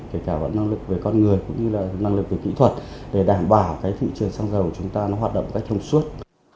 kể cả về năng lực về con người cũng như là năng lực về kỹ thuật để đảm bảo cái thị trường xăng dầu của chúng ta nó hoạt động cách thông suốt